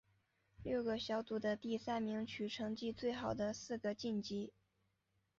六个小组的第三名取成绩最好的四个晋级。